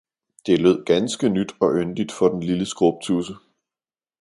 det lød ganske nyt og yndeligt for den lille skrubtudse.